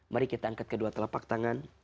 mari kita angkat kedua telapak tangan